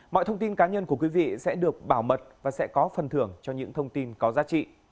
mọi thông tin cá nhân của quý vị sẽ được bảo mật và sẽ có phần thưởng cho những thông tin có giá trị